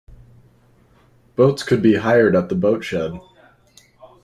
Boats could be hired at the boatshed.